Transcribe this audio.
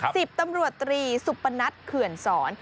สิบตำรวจตรีสุปนัทเขื่อนสอน